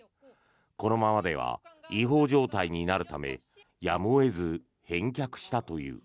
このままでは違法状態になるためやむを得ず返却したという。